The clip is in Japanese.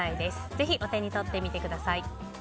ぜひ、お手に取ってみてください。